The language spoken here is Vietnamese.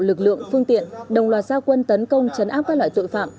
lực lượng phương tiện đồng loạt gia quân tấn công chấn áp các loại tội phạm